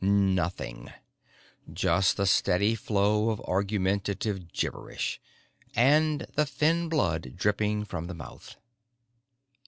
Nothing. Just the steady flow of argumentative gibberish. And the thin blood dripping from the mouth.